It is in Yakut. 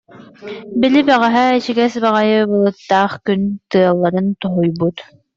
Били бэҕэһээ ичигэс баҕайы, былыттаах күн, тыалыран тоһуйбут